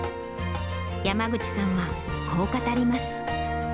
山口さんはこう語ります。